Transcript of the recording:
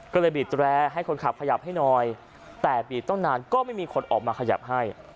ก็เลยบีดแร้ให้คนขับขยับให้หน่อยแต่บีดต้องนานก็ไม่มีคนออกมาขยับให้